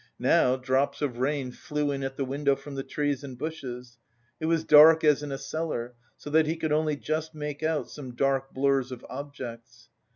Now drops of rain flew in at the window from the trees and bushes; it was dark as in a cellar, so that he could only just make out some dark blurs of objects.